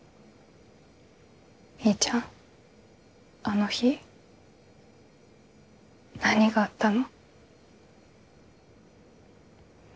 みーちゃんあの日何があったの？